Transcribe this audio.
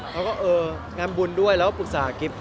เขาก็เอองานบุญด้วยแล้วปรึกษากิฟต์